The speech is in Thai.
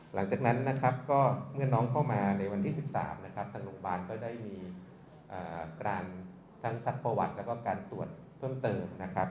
หลังจากนั้นนะครับก็เมื่อน้องเข้ามาในวันที่๑๓นะครับทางโรงพยาบาลก็ได้มีการทั้งซักประวัติแล้วก็การตรวจเพิ่มเติมนะครับ